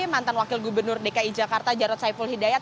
mantan wakil gubernur dki jakarta jarod saiful hidayat